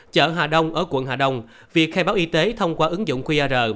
chợ hà đông ở quận hà đông việc khai báo y tế thông qua ứng dụng qr